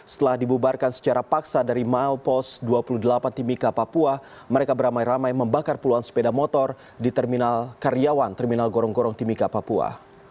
setelah dibubarkan secara paksa dari milepost dua puluh delapan timika papua mereka beramai ramai membakar puluhan sepeda motor di terminal karyawan terminal gorong gorong timika papua